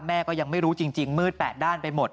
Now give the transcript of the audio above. แม่ก็ยังไม่รู้จริงมืด๘ด้านไปหมด